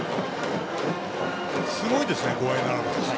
すごいですね、５割は。